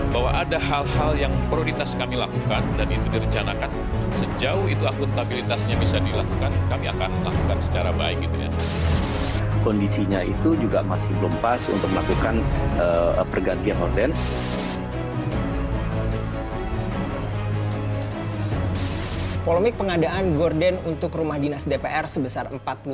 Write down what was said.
bagaimana pengadilan gorden untuk rumah dinas dpr